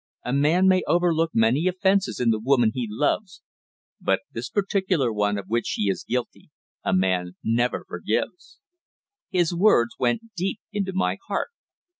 A man may overlook many offences in the woman he loves, but this particular one of which she is guilty a man never forgives." His words went deep into my heart.